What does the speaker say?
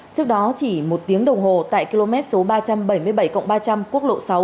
trước đó chỉ một tiếng đồng hồ tại km số ba trăm bảy mươi bảy ba trăm linh quốc lộ sáu